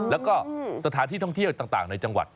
แล้วก็สถานที่ท่องเที่ยวต่างในจังหวัด